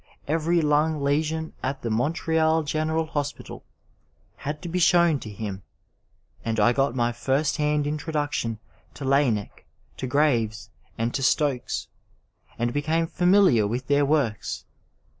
Every lung lesion at the Montreal General Hospital had to be shown to him, and I got my first hand introduction to Laennec, to Graves, and to Stokes, and became familiar with their works.